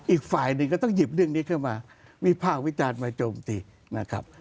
อีกฝ่ายหนึ่งก็ต้องหยิบเรื่องนี้เข้ามาวิภาควิจารณ์มาโจมตีนะครับ